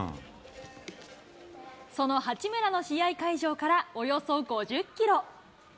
その八村の試合会場から、およそ５０キロ。